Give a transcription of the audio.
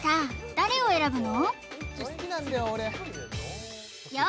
誰を選ぶの？